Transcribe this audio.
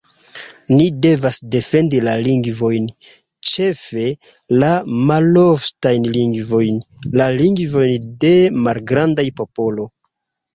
Ni devas defendi la lingvojn, ĉefe la maloftajn lingvojn, la lingvojn de malgrandaj popolo.